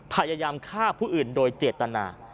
พยายามฆ่าผู้อื่นโดยเจตนา